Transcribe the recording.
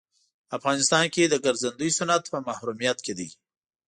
په افغانستان کې د ګرځندوی صنعت په محرومیت کې دی.